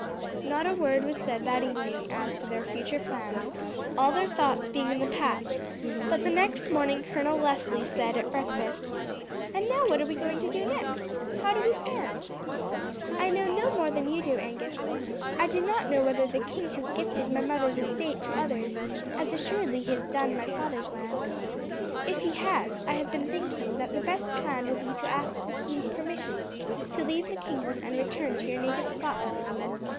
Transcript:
Not a word was said that evening as to their future plans, all their thoughts being in the past; but the next morning Colonel Leslie said at breakfast: "And now what are we going to do next? How do we stand?" "I know no more than you do, Angus. I do not know whether the king has gifted my mother's estate to others, as assuredly he has done my father's lands. If he has, I have been thinking that the best plan will be to ask the king's permission to leave the kingdom and return to your native Scotland."